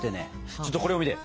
ちょっとこれを見て。